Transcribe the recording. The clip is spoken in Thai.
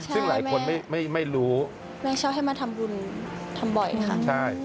ซึ่งหลายคนไม่รู้แม่ชอบให้มาทำบุญทำบ่อยค่ะใช่